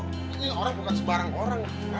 ini orang bukan sebarang orang